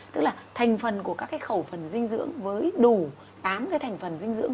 tức là thành phần của các cái khẩu phần dinh dưỡng với đủ tám cái thành phần dinh dưỡng